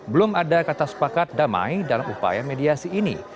belum ada kata sepakat damai dalam upaya mediasi ini